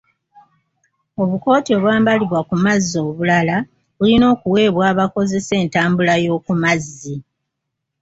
Obukooti obwambalibwa ku mazzi obulala bulina okuweebwa abakozesa entambula y'oku amazzi.